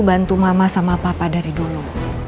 bantu mama sama papa dari dulu